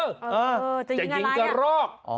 จะยิงอะไรนะจะยิงกะรอก